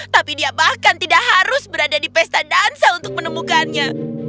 tapi dia bahkan tidak harus berada di pesta dansa untuk menemukannya